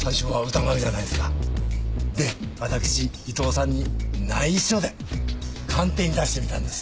で私伊藤さんに内緒で鑑定に出してみたんです。